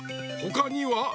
ほかには？